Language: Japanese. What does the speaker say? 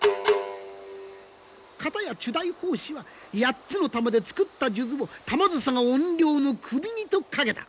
片や丶大法師は八つの珠で作った数珠を玉梓が怨霊の首にとかけた。